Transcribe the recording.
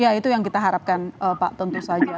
ya itu yang kita harapkan pak tentu saja